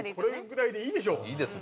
いいです